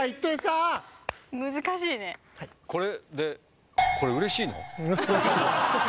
これでこれうれしいの？